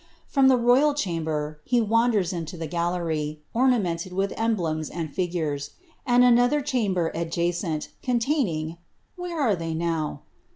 From the royal chamber, he wanders into the gallery, orna mented with emblems and figures, and another chamber adjacent, con taining (where are they now